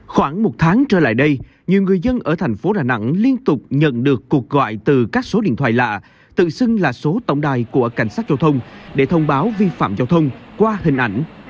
khoảng một tháng trở lại đây nhiều người dân ở thành phố đà nẵng liên tục nhận được cuộc gọi từ các số điện thoại lạ tự xưng là số tổng đài của cảnh sát giao thông để thông báo vi phạm giao thông qua hình ảnh